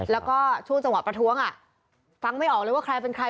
แล้วก็ช่วงจังหวะประท้วงฟังไม่ออกเลยว่าใครเป็นใคร